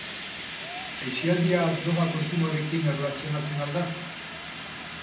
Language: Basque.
Aisialdia droga kontsumoarekin erlazionatzen al da?